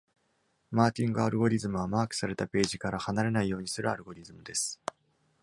マーキングアルゴリズムは、マークされたページから離れないようにするアルゴリズムです。